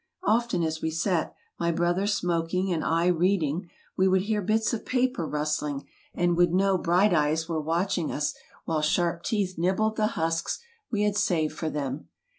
Often as we sat, my brother smoking and I reading, we would hear bits of paper rustling and would know bright eyes were watching us while sharp teeth nibbled the husks we had saved for them.